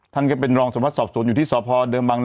ทางเกิดเป็นรองสมศาสตร์สอบส่วนอยู่ที่สอบภอดิ์เดิมบังนางบวชนะครับ